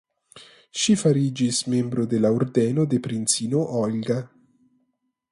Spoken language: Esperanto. Ŝi fariĝis membro de la Ordeno de Princino Olga.